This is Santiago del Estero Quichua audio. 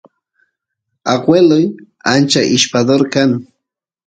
agueloy ancha ishpador kan